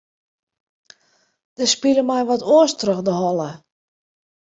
Der spile my wat oars troch de holle.